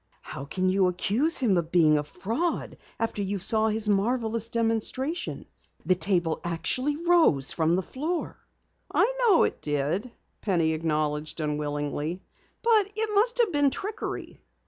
"How can you accuse him of being a fraud after you saw his marvelous demonstration? The table actually rose from the floor." "I know it did," Penny acknowledged unwillingly. "But it must have been trickery."